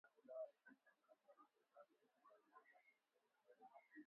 Hadi shilingi elfu mbili mia nane sitini na moja za Tanzania (dola ishirini na tatu)